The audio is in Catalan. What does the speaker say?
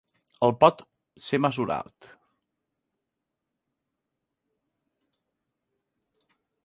El Pot ser mesurat.